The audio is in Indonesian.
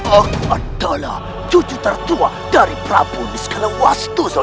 aku adalah cucu tertua dari ratu semanglarang